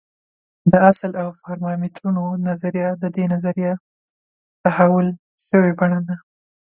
د اصل او پارامترونو نظریه د دې نظریې تحول شوې بڼه ده.